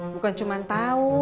bukan cuman tau